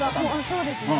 そうですね。